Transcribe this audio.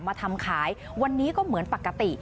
มาทำขายวันนี้ก็เหมือนปกติ